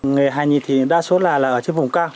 người hà nghì thì đa số là ở trên vùng cao